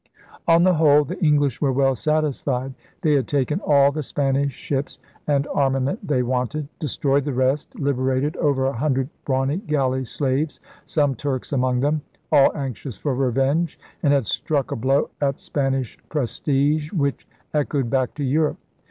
On the whole the English were well satisfied. They had taken all the Spanish ships and armament they wanted, destroyed the rest, liberated over a hundred brawny galley slaves — some Turks among them — all anxious for revenge, and had struck a blow at Spanish prestige which echoed back to Europe.